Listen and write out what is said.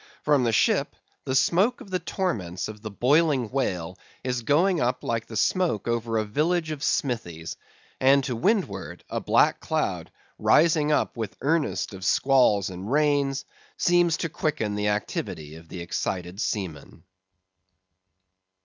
From the ship, the smoke of the torments of the boiling whale is going up like the smoke over a village of smithies; and to windward, a black cloud, rising up with earnest of squalls and rains, seems to quicken the activity of the excited seamen.